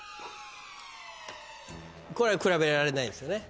これ比べられないですよね？